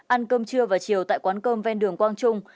ăn cơm trưa và chiều tại quán cơm ven đường quang trung